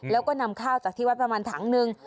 แล้วก็นำข้าวจากที่วัดประมาณถังหนึ่ง